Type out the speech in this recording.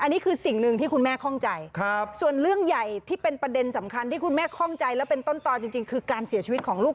อันนี้คือสิ่งหนึ่งที่คุณแม่คล่องใจส่วนเรื่องใหญ่ที่เป็นประเด็นสำคัญที่คุณแม่คล่องใจแล้วเป็นต้นตอนจริงคือการเสียชีวิตของลูก